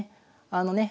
あのね